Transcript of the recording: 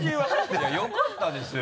いやよかったですよ。